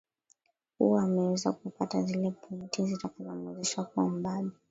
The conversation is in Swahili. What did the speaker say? uwa ameweza kupata zile pointi zitakazomwezesha kuwa mbabe